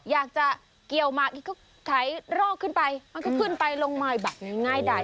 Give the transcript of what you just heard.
อยากจะเกี่ยวมากก็ใช้โลกขึ้นไปมันก็ขึ้นไปลงมาอย่างงี้ง่ายดาย